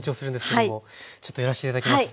ちょっとやらせて頂きます。